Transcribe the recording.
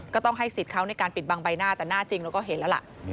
ก็ต้องให้สิทธิ์เขาในการปิดบังใบหน้าแต่หน้าจริงเราก็เห็นแล้วล่ะ